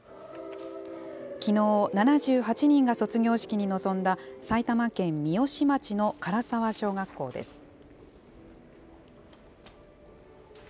きのう、７８人が卒業式に臨んだ埼玉県三芳町の唐沢小学校です。